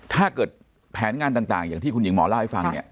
ถ้าเกิดแผนงานต่างอย่างที่คุณหญิงหมอเล่าให้ฟังเนี่ย